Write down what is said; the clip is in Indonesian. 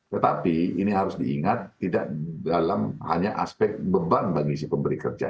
tetapi ini harus diingat tidak dalam hanya aspek beban bagi si pemberi kerja